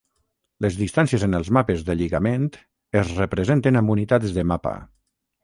Les distàncies en els mapes de lligament es representen amb unitats de mapa.